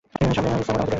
Salmon আমাদেরই একজন।